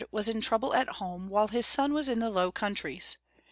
was in trouble at home while ■ his son was in the Low Countries.